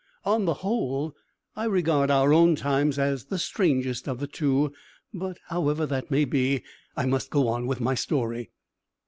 On the whole, I regard our own times as the strangest of the two; but, however that may be, I must go on with my story.